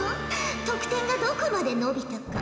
得点がどこまで伸びたか。